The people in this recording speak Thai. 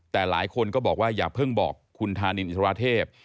แต่หลายคนก็บอกว่าอย่าเพิ่งบอกคุณธานินอิทราเทพ